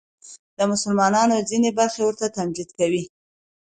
د مسلمانانو ځینې برخې ورته تمجید کوي